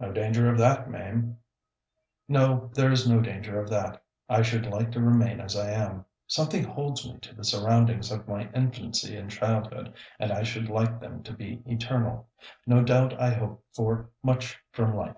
"No danger of that, Mame." No, there is no danger of that. I should like to remain as I am. Something holds me to the surroundings of my infancy and childhood, and I should like them to be eternal. No doubt I hope for much from life.